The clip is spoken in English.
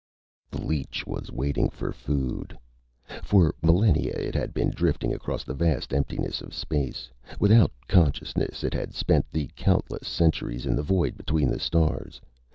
_ The leech was waiting for food. For millennia it had been drifting across the vast emptiness of space. Without consciousness, it had spent the countless centuries in the void between the stars.